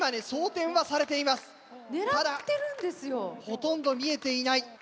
ほとんど見えていない。